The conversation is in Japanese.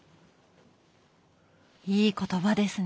いい言葉ですね！